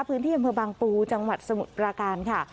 พื้นที่บางปูจังหวัดสมุดประกาศค่ะ